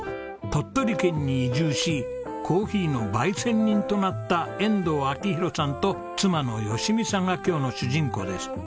鳥取県に移住しコーヒーの焙煎人となった遠藤明宏さんと妻の淑美さんが今日の主人公です。